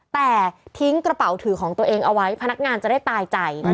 แต่ทิ้งกระเป๋าถือของตัวเองเอาไว้พนักงานจะได้ตายใจ